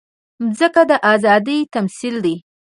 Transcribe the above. مځکه د ازادۍ تمثیل ده.